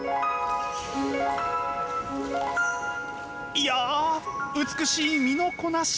いや美しい身のこなし！